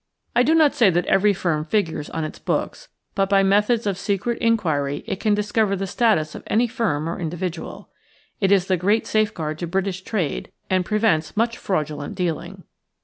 I do not say that every firm figures on its books, but by methods of secret inquiry it can discover the status of any firm or individual. It is the great safeguard to British trade and prevents much fraudulent dealing.